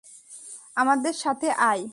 আমাদের সাথে আয়।